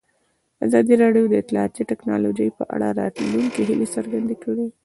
ازادي راډیو د اطلاعاتی تکنالوژي په اړه د راتلونکي هیلې څرګندې کړې.